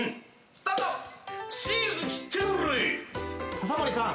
刺森さん